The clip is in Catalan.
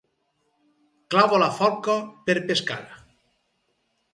Clavo la forca per pescar.